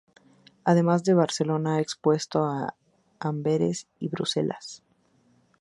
Además de en Barcelona, ha expuesto en Amberes y Bruselas.